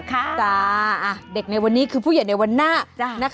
ค่ะอ่ะเด็กในวันนี้คือผู้หญิงในวันน้านะคะโจ๊ทำ